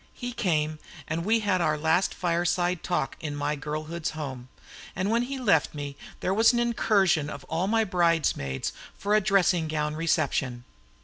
He came; we had our last fireside talk in my girlhood's home; and when he left me there was an incursion of all my bridesmaids for a "dressing gown reception."